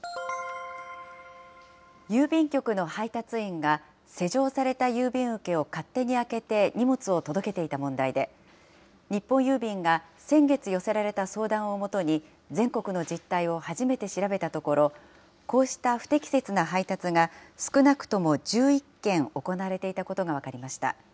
郵便局の配達員が施錠された郵便受けを勝手に開けて荷物を届けていた問題で、日本郵便が先月寄せられた相談を基に、全国の実態を初めて調べたところ、こうした不適切な配達が、少なくとも１１件行われていたことが分かりました。